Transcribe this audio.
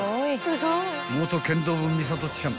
［元剣道部ミサトちゃん